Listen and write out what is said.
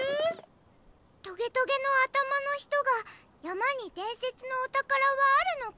トゲトゲのあたまのひとが「やまにでんせつのおたからはあるのか？」